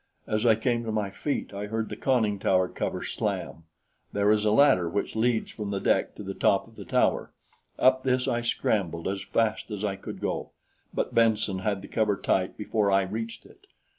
As I came to my feet, I heard the conning tower cover slam. There is a ladder which leads from the deck to the top of the tower. Up this I scrambled, as fast as I could go; but Benson had the cover tight before I reached it.